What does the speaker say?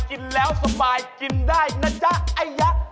กินแล้วสบายกินได้นะจ๊ะไอ้ยะ